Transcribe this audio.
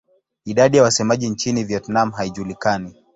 Idadi ya wasemaji nchini Vietnam haijulikani.